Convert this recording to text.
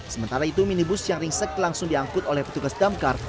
sementara itu minibus yang ringsek langsung diangkut oleh petugas damkar